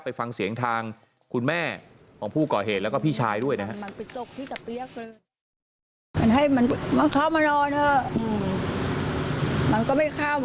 ไปฟังเสียงทางคุณแม่ของผู้ก่อเหตุแล้วก็พี่ชายด้วยนะครับ